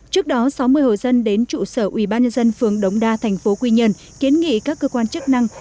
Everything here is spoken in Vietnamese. trước đó sáu mươi hồ dân đến trụ sở ủy ban nhân dân phường đống đa tp quy nhân kiến nghị các cơ quan chức năng